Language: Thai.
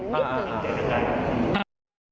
ปุ๊ปฟังแต่งกันได้